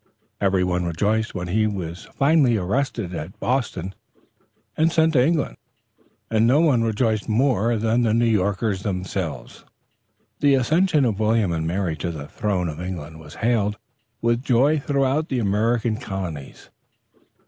Every one rejoiced when he was finally arrested at Boston and sent to England, and no one rejoiced more than the New Yorkers themselves. The accession of William and Mary to the throne of England was hailed with joy throughout the American Colonies.